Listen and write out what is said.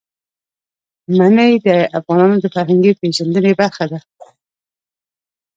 منی د افغانانو د فرهنګي پیژندنې برخه ده.